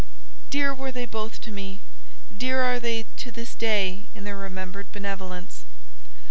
Dear were they both to me, dear are they to this day in their remembered benevolence.